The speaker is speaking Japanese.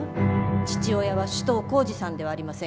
父親は首藤幸次さんではありませんか？